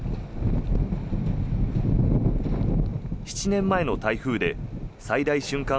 ７年前の台風で最大瞬間